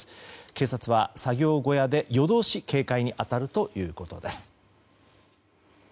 警察は作業小屋で夜通し警戒に当たるということです。